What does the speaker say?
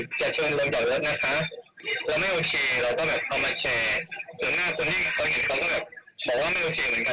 ส่วนหน้าส่วนที่เขาเห็นเขาก็แบบบอกว่าไม่โอเคเหมือนกันกับผมเนี่ยแหละ